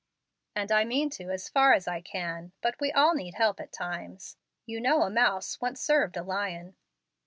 "And I mean to as far as I can. But we all need help at times. You know a mouse once served a lion."